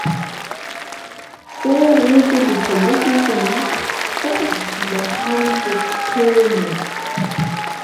So ruhte die politische Macht fest in der Hand des Königs.